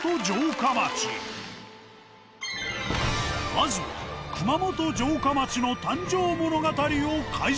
まずは熊本城下町の誕生物語を解説。